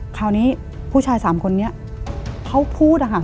คราวนี้ผู้ชาย๓คนนี้เขาพูดอะค่ะ